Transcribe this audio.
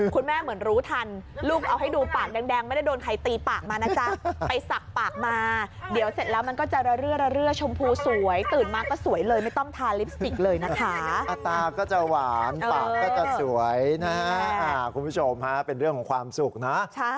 เหมือนรู้ทันลูกเอาให้ดูปากแดงไม่ได้โดนใครตีปากมานะจ๊ะไปสักปากมาเดี๋ยวเสร็จแล้วมันก็จะระเรื้อระเรื่อชมพูสวยตื่นมาก็สวยเลยไม่ต้องทาลิปสติกเลยนะคะตาก็จะหวานปากก็จะสวยนะฮะคุณผู้ชมฮะเป็นเรื่องของความสุขนะ